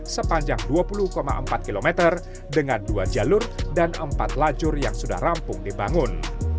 sepanjang dua puluh empat km dengan dua jalur dan empat lajur yang sudah rampung dibangun